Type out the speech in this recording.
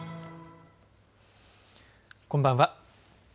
こんばんは。